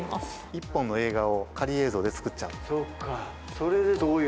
１本の映画を仮映像で作っちゃう。